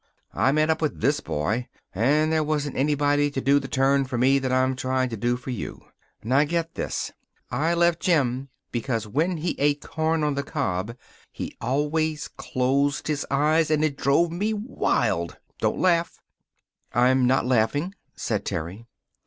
I met up with this boy, and there wasn't anybody to do the turn for me that I'm trying to do for you. Now get this. I left Jim because when he ate corn on the cob he always closed his eyes and it drove me wild. Don't laugh." "I'm not laughing," said Terry.